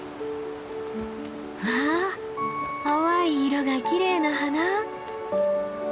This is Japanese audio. わあ淡い色がきれいな花。